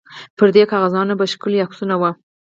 پر دې کاغذانو به ښکلي عکسونه وو.